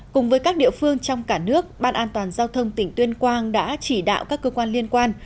cùng với các địa phương trong cả nước ban an toàn giao thông tỉnh tuyên quang đã chỉ đạo các cơ quan liên quan